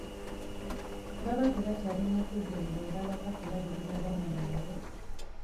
Baba tebakyalina budde bubeera waka kulabirira baana baabwe.